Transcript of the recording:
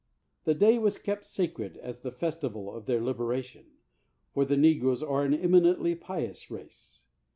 The day was kept sacred as the festival of their liberation, for the negroes are an eminently pious race.